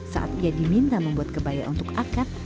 saat ia diminta membuat kebaya untuk akad